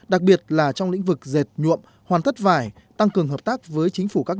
đặc biệt là trong lĩnh vực diệt nhuộm hoàn thất vải tăng cường hợp tác với chính phủ các